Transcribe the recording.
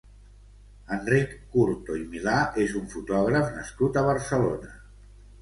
Enric Curto i Milà és un fotògraf nascut a Barcelona.